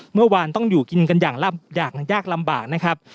เมื่อวานต้องอยู่กินกันอย่างยากลำบากนะครับ